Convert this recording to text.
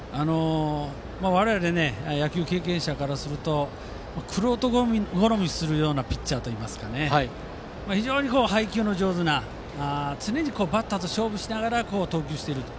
我々野球経験者からすると玄人好みするようなピッチャーといいますか非常に配球の上手な常にバッターと勝負しながら投球していると。